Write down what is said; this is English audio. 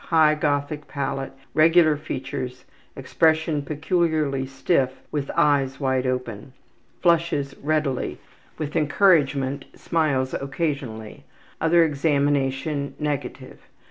High Gothic palate. Regular features. Expression peculiarly stiff with eyes wide open. Flushes readily. With encouragement smiles occasionally. Other examination negative.